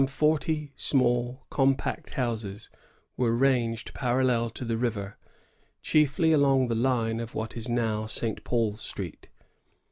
105 forty small, compact hoiises were ranged parallel to the river, chiefly along the line of what is now St. Paul's Street.